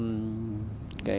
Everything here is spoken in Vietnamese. tôi nhớ là